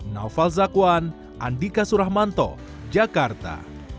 naufal zakwan andika suramanto jakarta